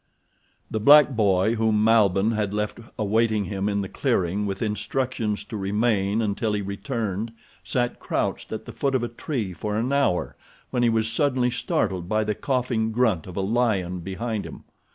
The black boy whom Malbihn had left awaiting him in the clearing with instructions to remain until he returned sat crouched at the foot of a tree for an hour when he was suddenly startled by the coughing grunt of a lion behind him.